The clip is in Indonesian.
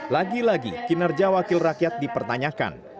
lagi lagi kinerja wakil rakyat dipertanyakan